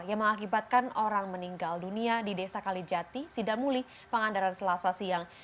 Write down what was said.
yang mengakibatkan orang meninggal dunia di desa kalijati sidamuli pangandaran selasa siang